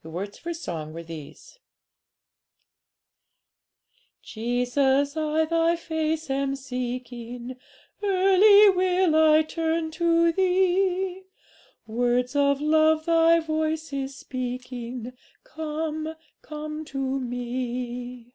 The words of her song were these: 'Jesus, I Thy face am seeking, Early will I turn to Thee; Words of love Thy voice is speaking: "Come, come to Me.